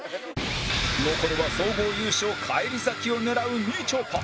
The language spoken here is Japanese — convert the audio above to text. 残るは総合優勝返り咲きを狙うみちょぱ